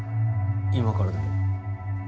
今からでも。